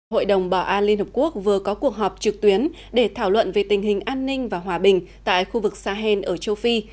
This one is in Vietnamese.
hội đồng bảo an liên hợp quốc vừa có cuộc họp trực tuyến để thảo luận về tình hình an ninh và hòa bình tại khu vực sahel ở châu phi